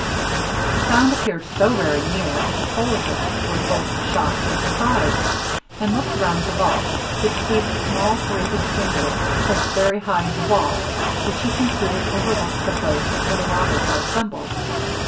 The sound appeared so very near, that Hippolitus was both shocked and surprised; and looking round the vault, he perceived a small grated window placed very high in the wall, which he concluded overlooked the place where the robbers were assembled.